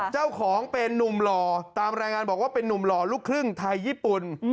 เจ้าของเป็นนุ่มหล่อตามรายงานบอกว่าเป็นนุ่มหล่อลูกครึ่งไทยญี่ปุ่น